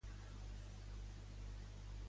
Un peso xilè a quant equival en rúpies índies?